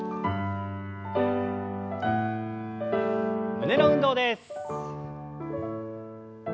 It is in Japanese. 胸の運動です。